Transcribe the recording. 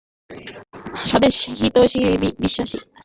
স্বদেশহিতৈষিতায় বিশ্বাসী আমারও একটা আদর্শ আছে।